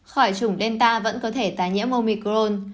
khỏi trùng delta vẫn có thể tái nhiễm omicron